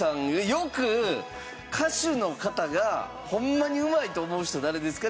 よく歌手の方がホンマにうまいと思う人誰ですか？